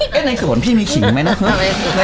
เฮ้อในส่วนพี่มีขิงมั้ยนะครับ